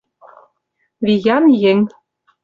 Виян еҥ